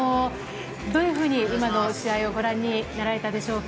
どういうふうに試合をご覧になられたでしょうか？